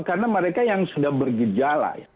karena mereka yang sudah bergejala